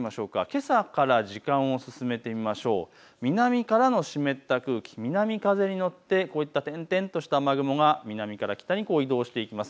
けさから時間を進めてみると南からの湿った空気、南風に乗って点々とした雨雲が南から北に移動していきます。